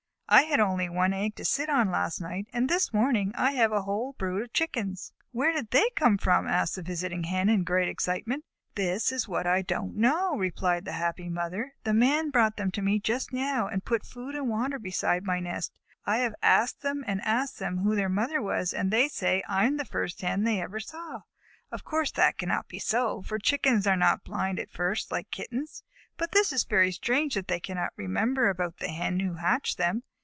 "I had only one egg to sit on last night, and this morning I have a whole brood of Chickens." "Where did they come from?" asked the visiting Hen, in great excitement. "That is what I don't know," replied the happy mother. "The Man brought them to me just now, and put food and water beside my nest. I have asked and asked them who their mother was, and they say I am the first Hen they ever saw. Of course that cannot be so, for Chickens are not blind at first, like Kittens, but it is very strange that they cannot remember about the Hen who hatched them.